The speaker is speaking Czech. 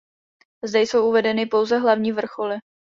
Zde jsou uvedeny pouze hlavní vrcholy.